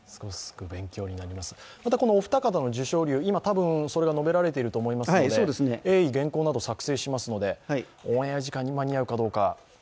このお二方の受賞理由、それが述べられていると思いますので鋭意原稿などを作成しますので、オンエア時間に間に合うかどうか。